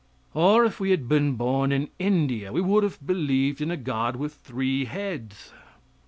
Or if we had been born in India, we would have believed in a god with three heads.